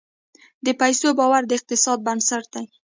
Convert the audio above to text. د پیسو باور د اقتصاد بنسټ دی.